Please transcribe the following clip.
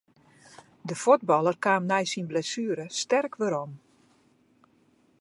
De fuotballer kaam nei syn blessuere sterk werom.